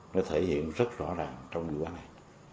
nó thể hiện rất rõ ràng trong vụ này